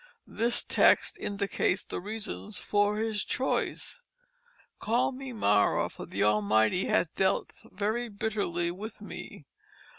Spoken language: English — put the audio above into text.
This text indicates the reason for his choice: "Call me Mara for the Almighty hath dealt very bitterly with me.